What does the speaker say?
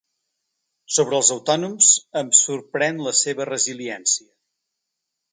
Sobre els autònoms, em sorprèn la seva resiliència.